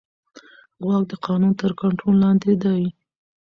واک د قانون تر کنټرول لاندې دی.